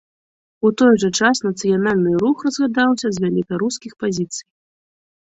У той жа час нацыянальны рух разглядаўся з велікарускіх пазіцый.